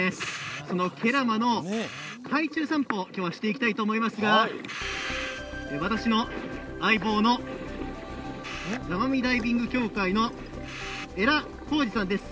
その慶良間の海中散歩を今日はしていきたいと思いますが私の相棒の座間味ダイビング協会の江良浩二さんです。